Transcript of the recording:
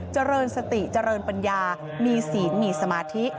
เจริญสติเจริญปัญญามีศีลมีสมาธิ